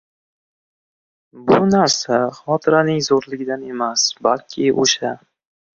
Bu narsa xotiraning zo‘rligidan emas, balki o‘sha